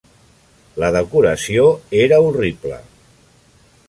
La decoració era horrible.